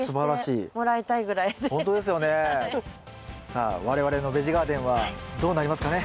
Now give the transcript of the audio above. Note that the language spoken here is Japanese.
さあ我々のベジガーデンはどうなりますかね。